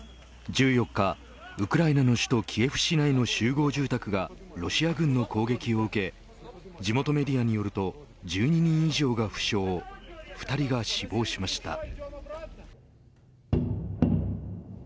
１４日、ウクライナの首都キエフ市内の集合住宅がロシア軍の攻撃を受け地元メディアによると１２人以上が負傷２人が死亡しました。